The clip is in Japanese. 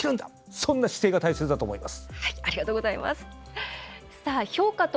そんな姿勢が大切だと思います。